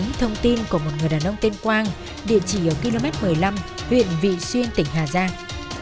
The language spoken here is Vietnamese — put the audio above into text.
nắm thông tin của một người đàn ông tên quang địa chỉ ở km một mươi năm huyện vị xuyên tỉnh hà giang